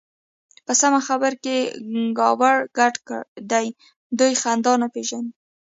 په سمه خبره کې يې کاوړ ګډ دی. دوی خندا نه پېژني.